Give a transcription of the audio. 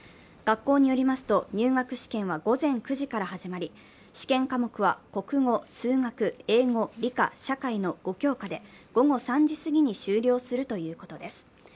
学校によりますと入学試験は午前９時から始まり試験科目は国語、数学、英語、理科、社会の５教科で、午後３時すぎに終了するということです。